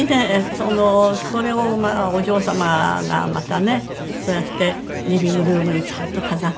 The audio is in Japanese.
そのそれをお嬢様がまたねそうやってリビングルームにちゃんと飾ってね。